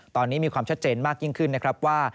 ตอนนี้มีความชัดเจนมากยิ่งขึ้นนะครับว่า